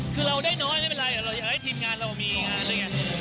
คือเราได้น้อยไม่เป็นไรเราให้ทีมงานเรามีงานได้ไง